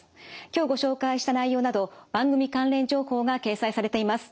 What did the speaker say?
今日ご紹介した内容など番組関連情報が掲載されています。